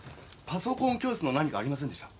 パソコン教室の何かありませんでした？